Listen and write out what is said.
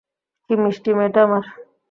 কী মিষ্টি মেয়েটা আমার!